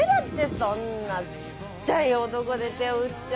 そんな小っちゃい男で手を打っちゃ。